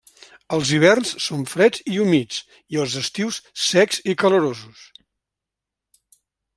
Els hiverns són freds i humits i els estius, secs i calorosos.